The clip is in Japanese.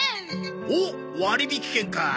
おっ割引券かあ。